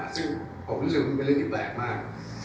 ซึ่งผมรู้สึกว่าเป็นเรื่องที่แปลกมาก